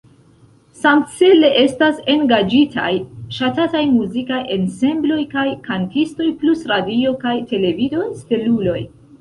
Samcele estas engaĝitaj ŝatataj muzikaj ensembloj kaj kantistoj plus radio- kaj televido-steluloj.